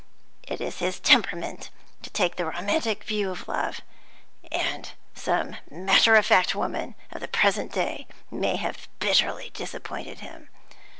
It is in his temperament to take the romantic view of love; and some matter of fact woman of the present day may have bitterly disappointed him.